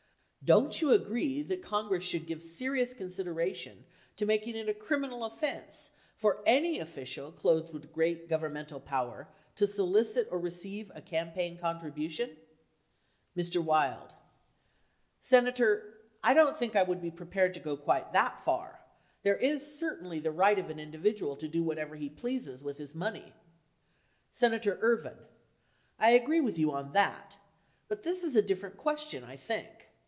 Don't you agree that Congress should give serious consideration to making it a criminal offense for any 69 13 Hearings 5479 . 472 official clothed with great governmental power to solicit or receive a campaign contribution ? Mr. Wild. Senator, I don't think I would be prepared to go quite that far. There is certainly the right of an individual to do what he pleases with his money. Senator Ervin. I agree with you on that. But this is a differ ent question, I think.